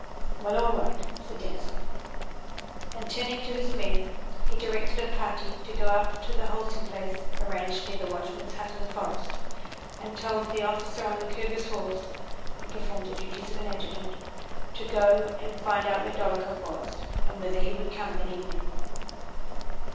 "Well, all wight," said Denísov. And turning to his men he directed a party to go on to the halting place arranged near the watchman's hut in the forest, and told the officer on the Kirghíz horse (who performed the duties of an adjutant) to go and find out where Dólokhov was and whether he would come that evening.